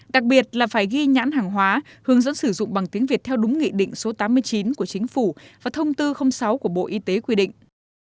đặc biệt là phải ghi nhãn hàng hóa hướng dẫn sử dụng bằng tiếng việt theo đúng nghị định số tám mươi chín của chính phủ và thông tư sáu của bộ y tế quy định